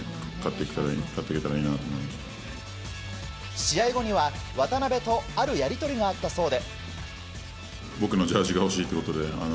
試合後には、渡邊とあるやり取りがあったそうで。